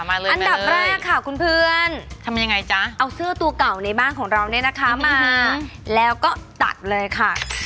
อันดับแรกค่ะคุณเพื่อนทำยังไงจ๊ะเอาเสื้อตัวเก่าในบ้านของเราเนี่ยนะคะมาแล้วก็ตัดเลยค่ะ